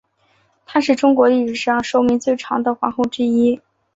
她是中国历史上寿命最长的皇后之一。